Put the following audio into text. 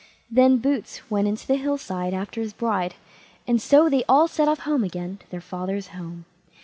Then Boots went into the hill side after his bride, and so they all set off home again to their father's house.